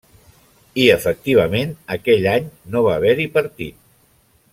I efectivament, aquell any no va haver-hi partit.